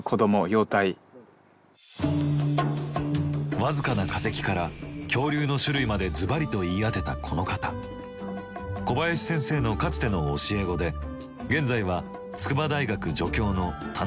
僅かな化石から恐竜の種類までずばりと言い当てたこの方小林先生のかつての教え子で現在は筑波大学助教の田中康平さん。